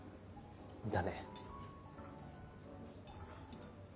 だね。